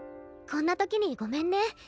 こんな時にごめんね。